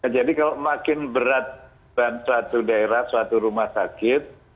jadi kalau makin berat dan satu daerah satu rumah sakit